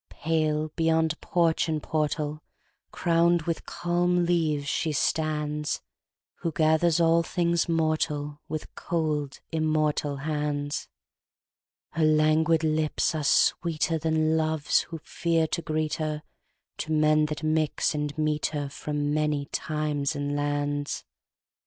Pale, beyond porch and portal, Crowned with calm leaves, she standsWho gathers all things mortalWith cold immortal hands; Her languid lips are sweeterThan love's who fears to greet herTo men that mix and meet herFrom many times and lands.